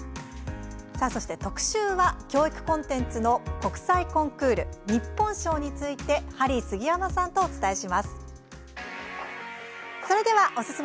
特集は教育コンテンツの国際コンクール「日本賞」についてハリー杉山さんとお伝えします。